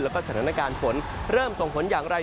แล้วก็สถานการณ์ฝนเริ่มส่งผลอย่างไร